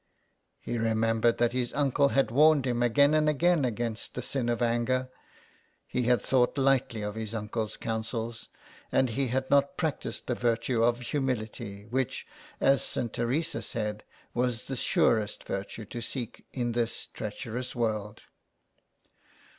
He remembered that his uncle had warned him again and again against the sin of anger. He had thought lightly of his uncle's counsels, and he had not practised the virtue of humility, which, as St. Teresa said, was the surest virtue to seek in this treacherous world.